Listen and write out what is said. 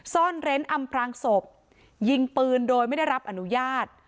ซ่อนเร้นอำพรางศพยิงปืนโดยไม่ได้รับอนุญาต